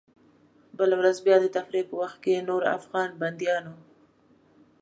بله ورځ بیا د تفریح په وخت کې نورو افغان بندیانو.